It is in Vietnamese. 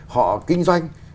họ kinh doanh